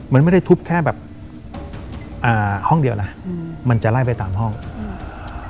มันไม่ได้ทุบแค่แบบอ่าห้องเดียวนะอืมมันจะไล่ไปตามห้องอืม